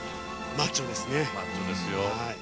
マッチョですよ。